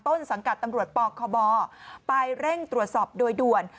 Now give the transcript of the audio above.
ต้นสังกัดตำรวจปคบไปเร่งตรวจสอบโดยด่วน